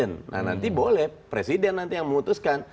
nah nanti boleh presiden nanti yang memutuskan